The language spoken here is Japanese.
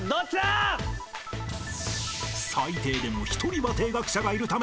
［最低でも１人は停学者がいるため］